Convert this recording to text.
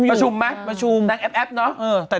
ประชุมมั้ยนางแอฟเนอะ